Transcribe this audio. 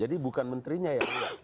jadi bukan menterinya yang perlu